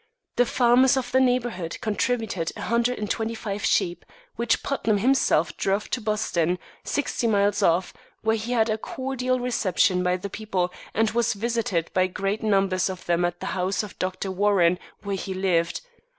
The farmers of the neighborhood contributed a hundred and twenty five sheep, which Putnam himself drove to Boston, sixty miles off, where he had a cordial reception by the people, and was visited by great numbers of them at the house of Dr. Warren, where he lived.